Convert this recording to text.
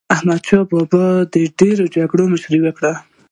احمدشاه بابا د ډېرو جګړو مشري وکړه.